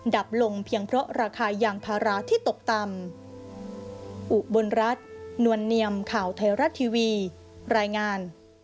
ดับลงเพียงเพราะราคายางพาราที่ตกต่ำ